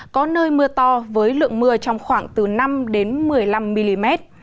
có nơi mưa to với lượng mưa trong khoảng từ năm một mươi năm mm